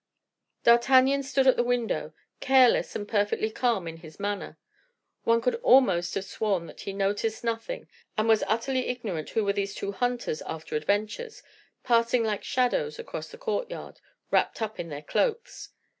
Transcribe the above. D'Artagnan stood at the window, careless and perfectly calm in his manner. One could almost have sworn that he noticed nothing, and was utterly ignorant who were these two hunters after adventures, passing like shadows across the courtyard, wrapped up in their cloaks.